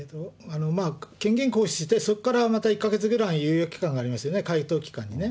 権限行使、そこから１か月間ぐらい猶予期間がありますよね、回答期間ね。